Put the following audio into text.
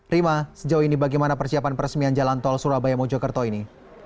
rima sejauh ini bagaimana persiapan peresmian jalan tol surabaya mojokerto ini